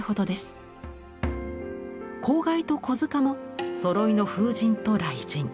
「笄」と「小柄」もそろいの風神と雷神。